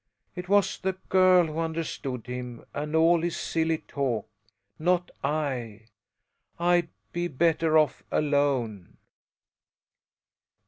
It was the girl who understood him and all his silly talk, not I. I'd be better off alone."